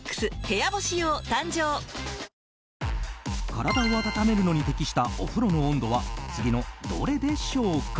体を温めるのに適したお風呂の温度は次のどれでしょうか。